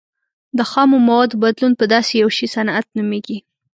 د خامو موادو بدلون په داسې یو شي صنعت نومیږي.